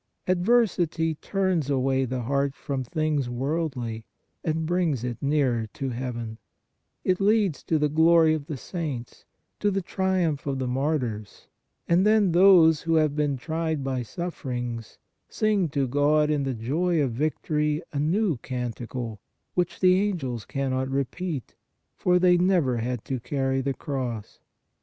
Ad versity turns away the heart from things worldly and brings it nearer to heaven ; it leads to the glory of the saints, to the triumph of the martyrs, and then those who have been tried by sufferings, sing 142 PRAYER to God in the joy of victory a new canticle, which the angels cannot repeat, for they never had to carry the cross."